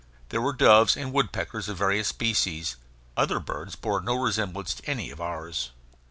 There were doves and woodpeckers of various species. Other birds bore no resemblance to any of ours.